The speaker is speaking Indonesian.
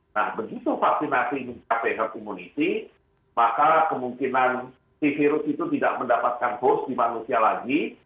nah begitu vaksinasi mencapai herd immunity maka kemungkinan si virus itu tidak mendapatkan host di manusia lagi